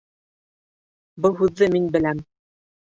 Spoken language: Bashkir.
Был һүҙҙе мин беләм